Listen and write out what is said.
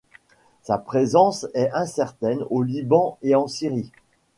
Sa présence est incertaine au Liban et en Syrie.